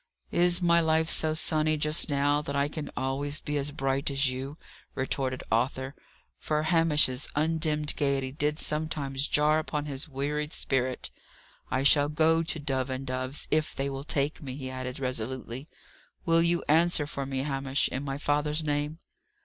"Is my life so sunny just now, that I can always be as bright as you?" retorted Arthur for Hamish's undimmed gaiety did sometimes jar upon his wearied spirit. "I shall go to Dove and Dove's if they will take me," he added, resolutely. "Will you answer for me, Hamish, in my father's name?"